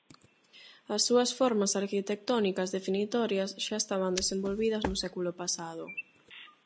As súas formas arquitectónicas definitorias xa estaban desenvolvidas no século pasado.